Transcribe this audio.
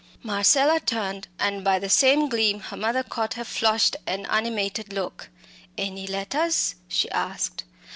Marcella turned, and by the same gleam her mother saw her flushed and animated look. "Any letters?" she asked.